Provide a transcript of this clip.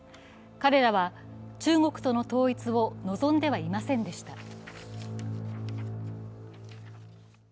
彼らは中国との統一を望んではいませんでした。